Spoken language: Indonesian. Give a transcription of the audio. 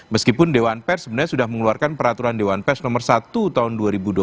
meskipun dewan pers sebenarnya sudah mengeluarkan peraturan dewan pers nomor satu tahun dua ribu dua puluh